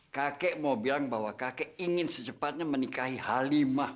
kakak mau bilang bahwa kakak ingin secepatnya menikahi halimah